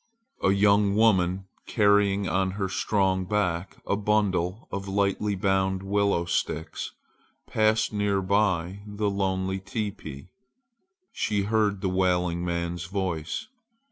A young woman, carrying on her strong back a bundle of tightly bound willow sticks, passed near by the lonely teepee. She heard the wailing man's voice.